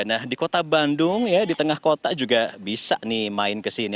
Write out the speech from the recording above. nah di kota bandung ya di tengah kota juga bisa nih main kesini